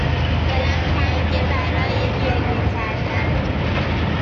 دلم تنگه برای گریه کردن